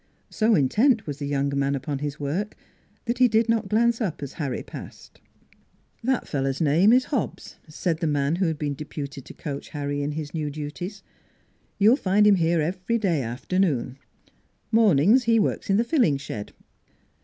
So intent was the young man upon his work that he did not glance up as Harry passed. " That fellow's name is Hobbs," said the man who had been deputed to coach Harry in his new duties. " You'll find him here every day after noon. Mornings he works in the filling shed."